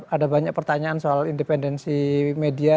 ada banyak pertanyaan soal independensi media